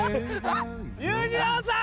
裕次郎さん！